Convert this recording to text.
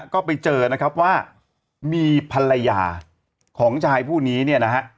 ก็ไปเจอนะครับว่ามีภรรยาของชายผู้นี้เนี่ยนะฮะ